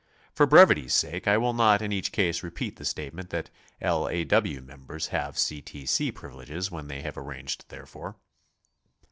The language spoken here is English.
(For brevity's sake I will not in each case repeat the statement that L. A. W. members have C. T. C. privileges when they have arranged therefor.)